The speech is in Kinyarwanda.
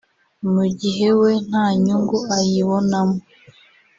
mu gihe we nta nyungu ayibonamo